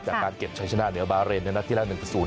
จากการเก็บชัยชนะเหนือบาร์เรนในหน้าที่ล่าน๑๐